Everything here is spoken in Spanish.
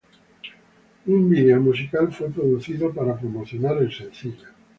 Un vídeo musical fue producido para promocionar el sencillo.